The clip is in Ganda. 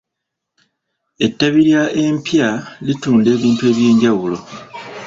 Ettabi lya epya litunda ebintu ebyenjawulo.